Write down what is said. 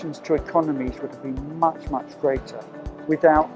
dan untuk orang orang berkomunikasi di seluruh dunia dengan cara yang mereka punya